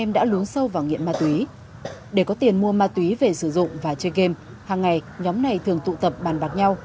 để có tiền mua ma túy về sử dụng và chơi game hàng ngày nhóm này thường tụ tập bàn bạc nhau